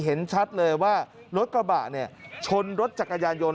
เห็นชัดเลยว่ารถกระบะเนี่ยชนรถจักรยานยนต